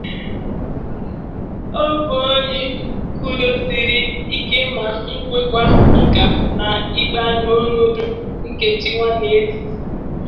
Ọ bụ onye kwudosiri ike ma nwekwa nka na-ịgba n'ọnọdụ nchekwa n'etiti.